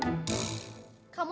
kayaknya masih smu